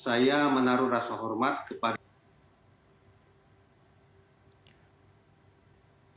saya menaruh rasa hormat kepada